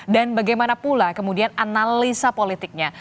dan bagaimana pula kemudian analisa politiknya